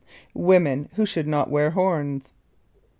Women Who should Not Wear Horns.